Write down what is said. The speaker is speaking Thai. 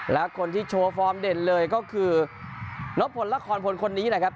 และคนที่โชว์ฟอร์มเด่นเลยก็คือนบพลละครพลคนนี้แหละครับ